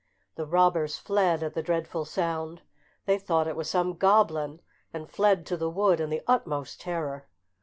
The robbers fled at the dreadful sound; they thought it was some goblin, and fled to the wood in the utmost terror.